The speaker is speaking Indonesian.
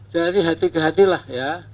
dari hati ke hati lah ya